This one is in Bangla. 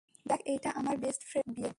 দেখ, এইটা আমার বেস্ট ফ্রেন্ড এর বিয়ে।